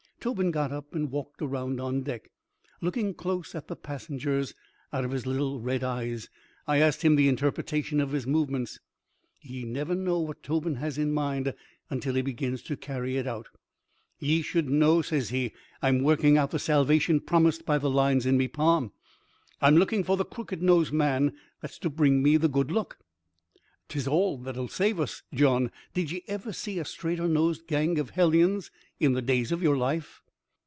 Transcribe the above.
Tobin got up and walked around on deck, looking close at the passengers out of his little red eyes. I asked him the interpretation of his movements. Ye never know what Tobin has in his mind until he begins to carry it out. "Ye should know," says he, "I'm working out the salvation promised by the lines in me palm. I'm looking for the crooked nose man that's to bring the good luck. 'Tis all that will save us. Jawn, did ye ever see a straighter nosed gang of hellions in the days of your life?"